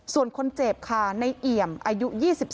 ส่วนคนเจ็บค่ะในเอี่ยมอายุ๒๒